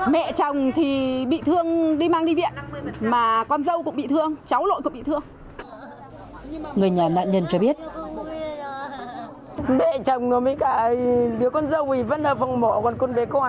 mẹ chồng nó mới gái đứa con dâu thì vẫn là phòng mộ còn con bé con thì không được